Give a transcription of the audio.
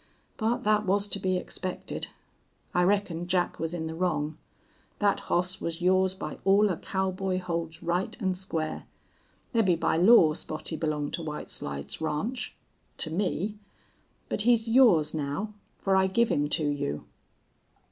"But thet was to be expected. I reckon Jack was in the wrong. Thet hoss was yours by all a cowboy holds right an' square. Mebbe by law Spottie belonged to White Slides Ranch to me. But he's yours now, fer I give him to you."